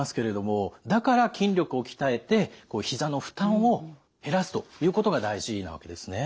だから筋力を鍛えてひざの負担を減らすということが大事なわけですね。